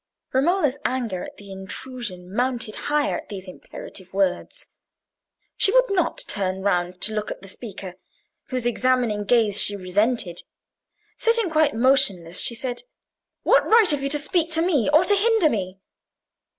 Romola's anger at the intrusion mounted higher at these imperative words. She would not turn round to look at the speaker, whose examining gaze she resented. Sitting quite motionless, she said— "What right have you to speak to me, or to hinder me?"